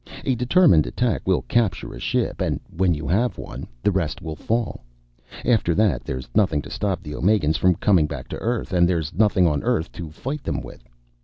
A determined attack will capture a ship; and when you have one, the rest will fall. After that, there's nothing to stop the Omegans from coming back to Earth; and there's nothing on Earth to fight them with.